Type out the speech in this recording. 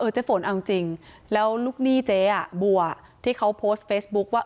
เจ๊ฝนเอาจริงแล้วลูกหนี้เจ๊บัวที่เขาโพสต์เฟซบุ๊คว่า